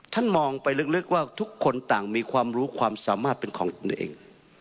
มองไปลึกว่าทุกคนต่างมีความรู้ความสามารถเป็นของตนเอง